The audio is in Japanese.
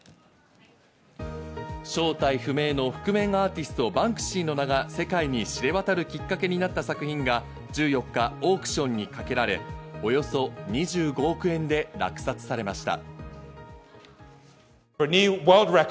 正体不明の覆面アーティスト、バンクシーの名が世界に知れ渡るきっかけになった作品が１４日、オークションにかけられ、およそ２５億円で落札されました。